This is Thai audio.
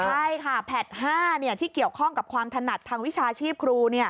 ใช่ค่ะแพลต๕ที่เกี่ยวข้องกับความถนัดทางวิชาชีพครู